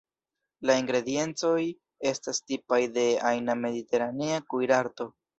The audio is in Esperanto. La ingrediencoj estas tipaj de ajna mediteranea kuirarto.